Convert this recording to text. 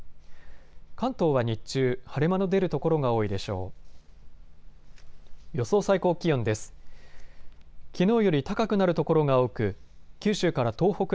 関東は日中、晴れ間の出る所が多いでしょう。